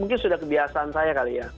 itu adalah perusahaan saya kali ya